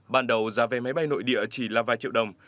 ban đầu giá vé máy bay nội địa chỉ là vài triệu đồng